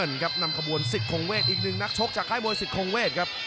ครับนำขบวนสิทธิ์คงเวทอีกหนึ่งนักชกจากค่ายมวยสิทธงเวทครับ